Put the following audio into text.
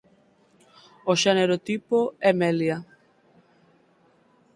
O xénero tipo é "Melia.